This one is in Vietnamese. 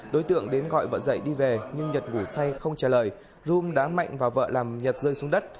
đối tượng đến gọi vợ dậy đi về nhưng nhật ngủ say không trả lời rum đã mạnh và vợ làm nhật rơi xuống đất